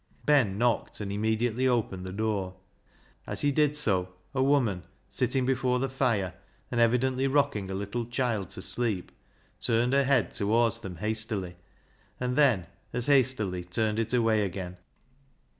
Ben knocked, and immediately opened the door. As he did so a woman, sitting before the fire, and evidently rocking a little child to sleep, turned her head towards them hastily, and then as hastily turned it away again.